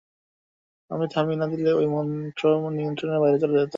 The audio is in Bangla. আমি থামিয়ে না দিলে ঐ মন্ত্র নিয়ন্ত্রণের বাইরে চলে যেত।